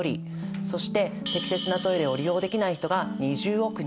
そして適切なトイレを利用できない人が２０億人。